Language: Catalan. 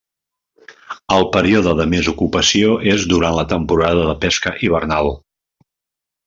El període de més ocupació és durant la temporada de pesca hivernal.